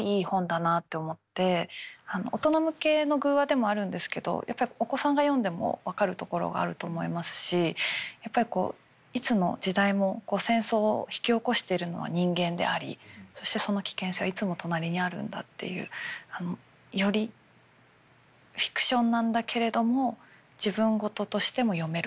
大人向けの寓話でもあるんですけどやっぱりお子さんが読んでも分かるところがあると思いますしやっぱりこういつの時代も戦争を引き起こしているのは人間でありそしてその危険性はいつも隣にあるんだっていうよりフィクションなんだけれども自分事としても読めるという。